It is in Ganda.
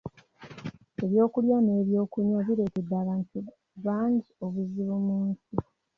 Ebyokulya n’ebyokunywa bireetedde abantu bangi obuzibu mu nsi.